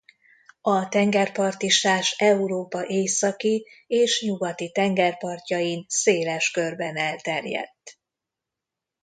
A tengerparti sás Európa északi és nyugati tengerpartjain széles körben elterjedt.